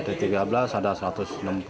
pak rt ini berapa kakas yang terendam